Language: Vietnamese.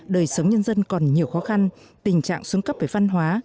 đời sống nhân dân còn nhiều khó khăn tình trạng xuống cấp về văn hóa